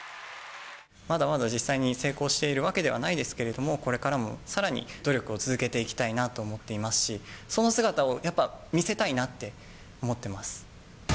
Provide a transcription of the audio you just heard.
まだまだ実際に成功しているわけではないですけれども、これからもさらに努力を続けていきたいなと思っていますし、その姿をやっぱ見せたいなって思ってます。